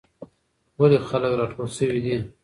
ولې خلک راټول شوي دي؟